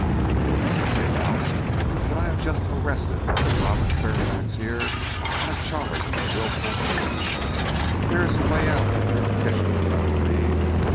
"It means," he announced, "that I have just arrested Mr. Robert Fairfax here on a charge of wilful murder. There is a way out through the kitchens, I believe.